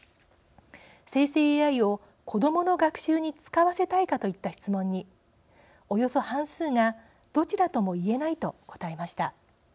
「生成ＡＩを子どもの学習に使わせたいか」といった質問におよそ半数が「どちらともいえない」と答えました。